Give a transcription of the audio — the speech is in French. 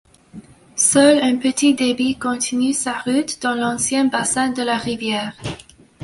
Seul un petit débit continue sa route dans l'ancien bassin de la rivière.